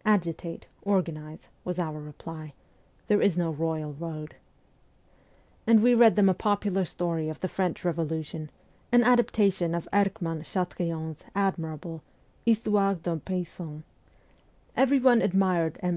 ' Agitate, organize,' was our reply ;' there is no royal road ;' and we read them a popular story of the French Revolution, an adaptation of Erckmann Chatrian's admirable ' Histoire d'un Paysan.' Everyone admired M.